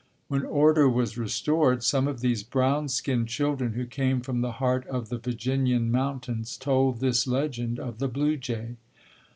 When order was restored some of these brown skinned children, who came from the heart of the Virginian mountains, told this legend of the blue jay.